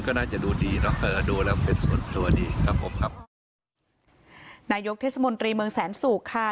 ก็น่าจะดูดีเนอะเอ่อดูแล้วเป็นส่วนตัวดีครับผมครับนายกเทศมนตรีเมืองแสนสุกค่ะ